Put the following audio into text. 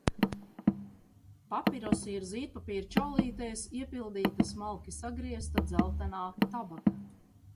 Papirosi ir zīdpapīra čaulītēs iepildīta smalki sagriezta dzeltenā tabaka.